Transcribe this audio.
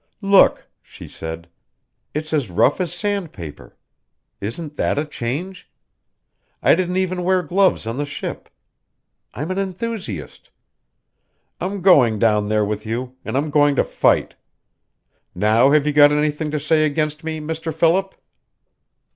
"Look," she said. "It's as rough as sand paper. Isn't that a change? I didn't even wear gloves on the ship. I'm an enthusiast. I'm going down there with you, and I'm going to fight. Now have you got anything to say against me, Mr. Philip?"